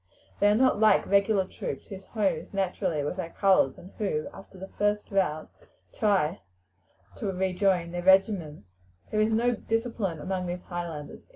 They are not like regular troops, whose home is naturally with their colours, and who, after the first rout, try to rejoin their regiments. There is no discipline among these Highlanders.